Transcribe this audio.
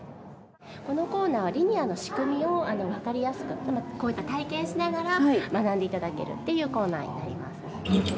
このコーナーはリニアの仕組みをわかりやすく体験しながら学んでいただけるっていうコーナーになります。